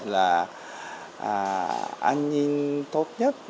là an ninh tốt nhất